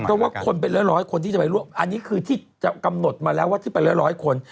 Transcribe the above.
เพราะว่าคนเป็นหลายคนที่จะไปรวกอันนี้คือที่เรียกไว้เป็นที่กำหนดมาแล้วว่าเป็นหลายคน